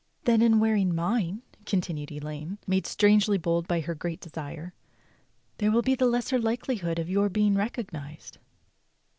"Then in wearing mine," continued Elaine, made strangely bold by her great desire, "there will be the lesser likelihood of your being recognized."